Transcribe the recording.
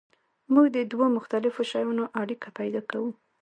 موږ د دوو مختلفو شیانو اړیکه پیدا کوو.